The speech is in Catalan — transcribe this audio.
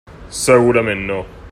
Segurament no.